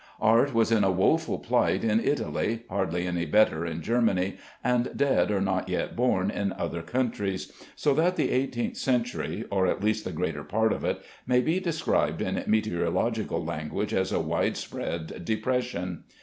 Art was in a woful plight in Italy, hardly any better in Germany, and dead or not yet born in other countries. So that the eighteenth century, or at least the greater part of it, may be described in meteorological language as a widespread depression.